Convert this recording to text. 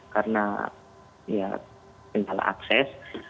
karena ya tinggal akses